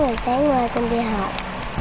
rồi sáng hôm nay con đi học